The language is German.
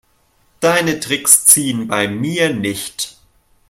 Deine Tricks ziehen bei mir nicht.